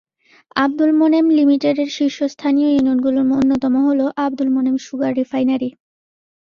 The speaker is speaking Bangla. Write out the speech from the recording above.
আবদুল মোনেম লিমিটেডের শীর্ষস্থানীয় ইউনিটগুলোর অন্যতম হলো আবদুল মোনেম সুগার রিফাইনারি।